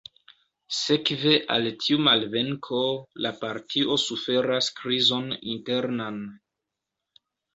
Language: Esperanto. Sekve al tiu malvenko, la partio suferas krizon internan.